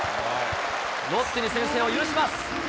ロッテに先制を許します。